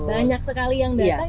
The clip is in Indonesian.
banyak sekali yang datang